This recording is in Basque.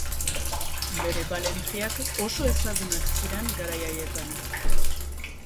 Bere balentriak oso ezagunak ziren garai haietan.